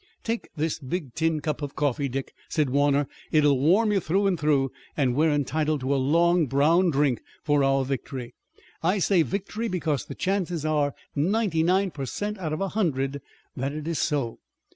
"Take this big tin cup of coffee, Dick," said Warner. "It'll warm you through and through, and we're entitled to a long, brown drink for our victory. I say victory because the chances are ninety nine per cent out of a hundred that it is so.